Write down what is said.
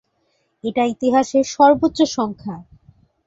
এটা ইতিহাসের সর্বোচ্চ সংখ্যা।